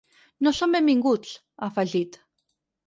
No són benvinguts, ha afegit.